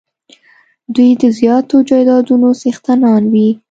دوی د زیاتو جایدادونو څښتنان وي.